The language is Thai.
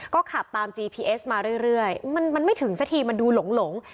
ก็ขับตามจีพีเอสมาเรื่อยเรื่อยมันมันไม่ถึงสักทีมันดูหลงหลง